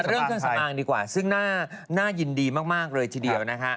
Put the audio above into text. เรื่องเครื่องสำอางดีกว่าซึ่งน่ายินดีมากเลยทีเดียวนะคะ